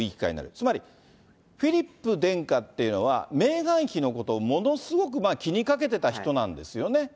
つまり、フィリップ殿下っていうのは、メーガン妃のことをものすごく気にかけてた人なんですよね。